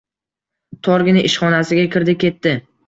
Torgina ishxonasiga kirdi ketdi.